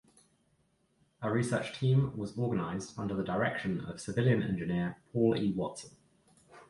A research team was organized under the direction of civilian engineer Paul E. Watson.